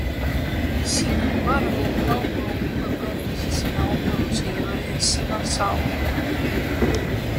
Sin embargo, Cao Mao fue pronto asesinado por los seguidores de Sima Zhao.